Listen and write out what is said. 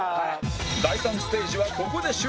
第３ステージはここで終了